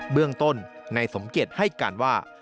เรื่องต้นนายสมเกียจให้การว่า